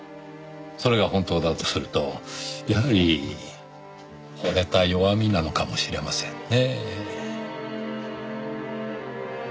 それが本当だとするとやはり惚れた弱みなのかもしれませんねぇ。